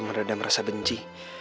meredam rasa benci